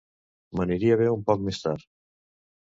M'aniria bé un poc més tard.